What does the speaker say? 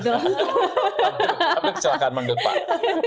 sampai kecelakaan manggil pak